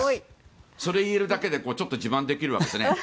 それを言えるだけでちょっと自慢できるんですね。